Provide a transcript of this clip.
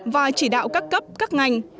và chỉ đạo các cấp các ngành